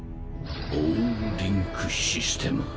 オールリンクシステム。